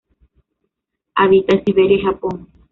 Habita en Siberia y Japón.